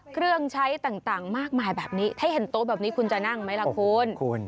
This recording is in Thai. เครื่องใช้ต่างมากมายแบบนี้ถ้าเห็นโต๊ะแบบนี้คุณจะนั่งไหมล่ะคุณ